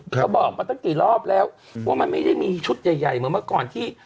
เขาบอกมาตั้งกี่รอบแล้วว่ามันไม่ได้มีชุดใหญ่เหมือนเมื่อก่อนที่